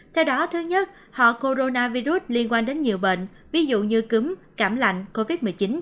theo đó thứ nhất họ coronavir liên quan đến nhiều bệnh ví dụ như cúm cảm lạnh covid một mươi chín